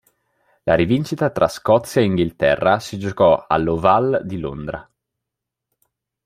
La rivincita tra Scozia e Inghilterra si giocò all'Oval di Londra.